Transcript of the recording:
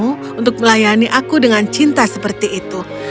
kau telah melayani aku dengan cinta seperti itu